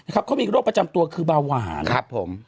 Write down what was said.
เขามีรวบประจำตัวคือเบาหวาน